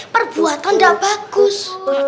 perbuatan gak bagus